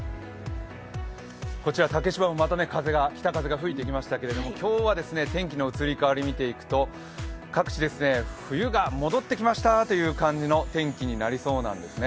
こちら竹芝もまた北風が吹いてきましたけれども今日は天気の移り変わりを見ていくと、各地、冬が戻ってきましたという感じの天気になりそうなんですね。